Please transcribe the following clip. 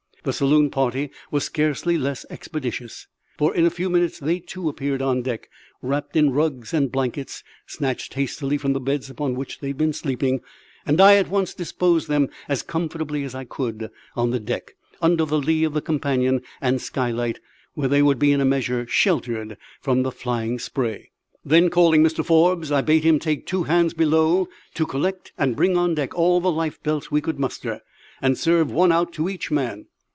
The saloon party were scarcely less expeditious; for in a few minutes they, too, appeared on deck, wrapped in rugs and blankets snatched hastily from the beds upon which they had been sleeping; and I at once disposed them as comfortably as I could on the deck, under the lee of the companion and skylight, where they would be in a measure sheltered from the flying spray. Then, calling Mr Forbes, I bade him take two hands below to collect and bring on deck all the life belts we could muster, and serve one out to each man.